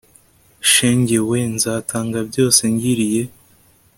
shenge we, nzatanga byose ngiriye